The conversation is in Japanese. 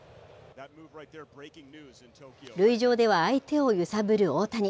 塁上では相手を揺さぶる大谷。